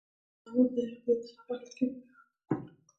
مامور په دې وخت کې د انتظار په حالت کې وي.